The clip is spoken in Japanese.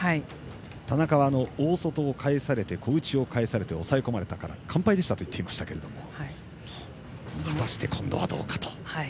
田中は大外を返されて小内を返されて押さえ込まれたから完敗でしたといっていましたが果たして、今度はどうかと。